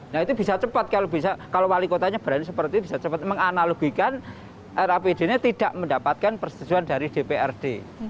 nah itu bisa cepat kalau bisa kalau wali kotanya berani seperti bisa cepat menganalogikan rapd nya tidak mendapatkan persetujuan dari dprd